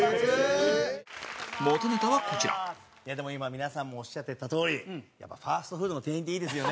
元ネタは、こちら今、皆さんもおっしゃってたとおりファストフードの店員っていいですよね。